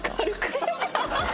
ハハハハ！